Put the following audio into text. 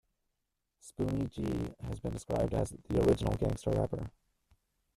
Spoonie Gee has been described as "the original gangster rapper".